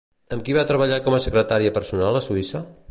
Amb qui va treballar com a secretària personal a Suïssa?